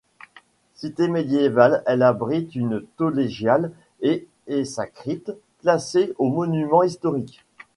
Cité médiévale, elle abrite une collégiale et et sa crypte, classées aux Monuments historiques.